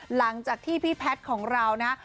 หลังจากที่พี่แพทย์ของเรานะ